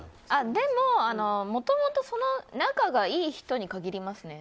でも、もともと仲がいい人に限りますね。